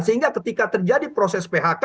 sehingga ketika terjadi proses phk